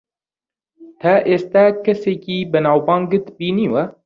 تا ئێستا کەسێکی بەناوبانگت بینیوە؟